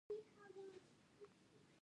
ایا زه باید خندم؟